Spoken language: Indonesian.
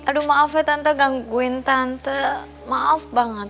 aduh maaf ya tante gangguin tante maaf banget